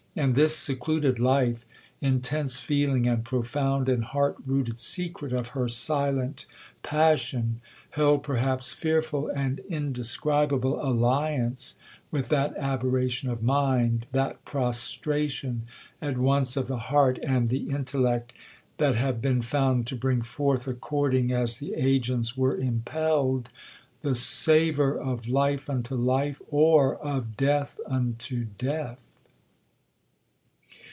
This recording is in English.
And this secluded life, intense feeling, and profound and heart rooted secret of her silent passion, held perhaps fearful and indescribable alliance with that aberration of mind, that prostration at once of the heart and the intellect, that have been found to bring forth, according as the agents were impelled, 'the savour of life unto life, or of death unto death.'